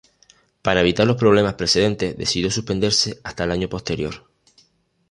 Para evitar los problemas precedentes decidió suspenderse hasta el año posterior.